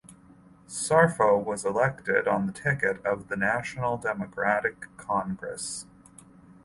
Sarfo was elected on the ticket of the National Democratic Congress.